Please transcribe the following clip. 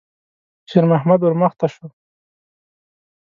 شېرمحمد ور مخته شو.